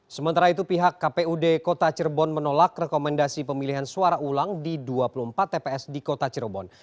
sementara itu pihak kpud kota cirebon menolak rekomendasi pemilihan suara ulang di dua puluh empat tps di kota cirebon